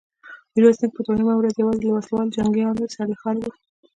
ميرويس نيکه په دوهمه ورځ يواځې له سلو جنګياليو سره له ښاره ووت.